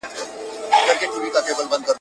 څوک دی چي دلته زموږ قاتل نه دی ,